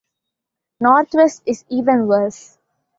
Northwest is even worse.